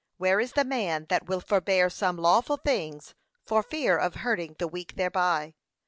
Where is the man that will forbear some lawful things, for fear of hurting the weak thereby?